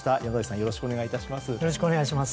よろしくお願いします。